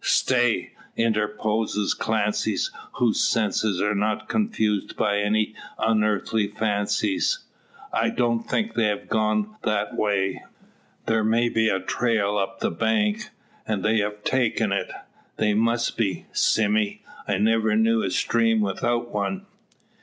"Stay!" interposes Clancy, whose senses are not confused by any unearthly fancies. "I don't think they could have gone that way. There may be a trail up the bank, and they've taken it. There must be, Sime. I never knew a stream without one."